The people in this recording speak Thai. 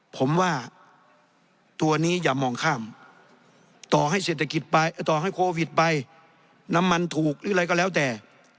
ผมว่าตัวนี้อย่ามองข้ามต่อให้โควิดไปนมันถูกหรือไงก็แล้วแต่